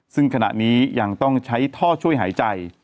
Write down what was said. ซึ่งขณะนี้ยังต้องใช้ท่อช่วยหายใจ